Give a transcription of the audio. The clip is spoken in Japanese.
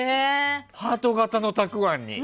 ハート形のたくあんに。